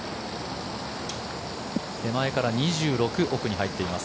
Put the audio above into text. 手前から２６奥に入っています。